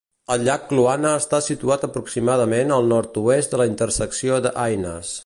El llac Kluane està situat aproximadament al nord-oest de la intersecció de Haines.